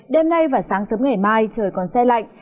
đêm nay và sáng sớm ngày mai trời còn xe lạnh